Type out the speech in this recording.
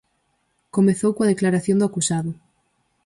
Comezou coa declaración do acusado.